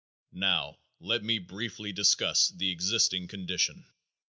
Now let me briefly discuss the existing condition.